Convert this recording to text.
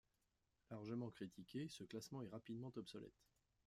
Largement critiqué, ce classement est rapidement obsolète.